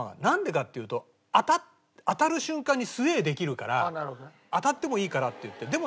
なんでかっていうと当たる瞬間にスウェーできるから当たってもいいからっていって。